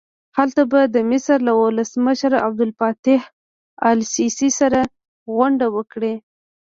هلته به د مصر له ولسمشر عبدالفتاح السیسي سره غونډه وکړي.